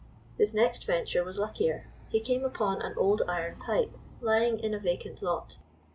His next venture was luckier. He came upon an old iron pipe lying in a vacant lot.